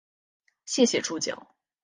谢谢助教